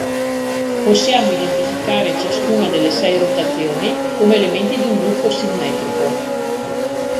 Possiamo identificare ciascuna delle sei rotazioni come elementi di un gruppo simmetrico.